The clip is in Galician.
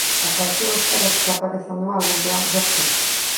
A canción esperase que apareza no álbum de ambos artistas.